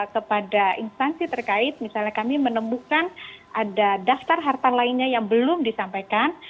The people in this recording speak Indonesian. kepada instansi terkait misalnya kami menemukan ada daftar harta lainnya yang belum disampaikan